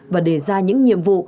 và đề ra những nhiệm vụ